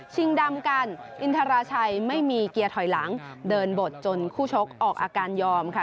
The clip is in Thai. ดำกันอินทราชัยไม่มีเกียร์ถอยหลังเดินบดจนคู่ชกออกอาการยอมค่ะ